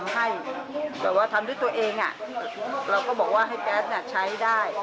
ให้ตัวเองเราก็บอกว่าแก๊สใช้ได้